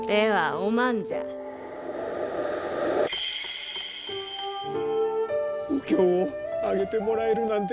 お経をあげてもらえるなんて。